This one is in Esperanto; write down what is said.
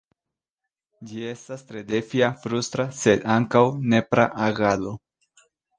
Ĝi estas tre defia, frustra, sed ankaŭ nepra agado.